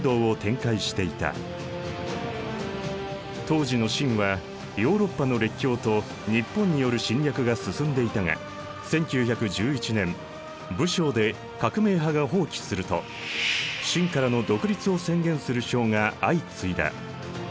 当時の清はヨーロッパの列強と日本による侵略が進んでいたが１９１１年武昌で革命派が蜂起すると清からの独立を宣言する省が相次いだ。